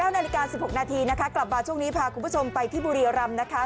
๙นาฬิกา๑๖นาทีนะคะกลับมาช่วงนี้พาคุณผู้ชมไปที่บุรีรำนะคะ